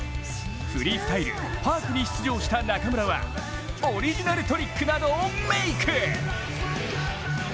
フリースタイル・パークに出場した中村はオリジナルトリックなどをメイク！